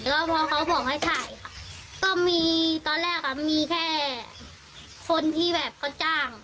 แล้วพอเขาบอกให้ถ่ายค่ะก็มีตอนแรกค่ะมีแค่คนที่แบบเขาจ้าง